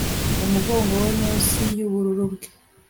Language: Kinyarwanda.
Umugongo we munsi yubururu bwe